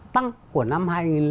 tăng của năm hai nghìn tám